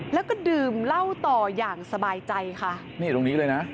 แล้วก็ดื่มเหล้าต่ออย่างสบายใจค่ะนี่ตรงนี้เลยนะ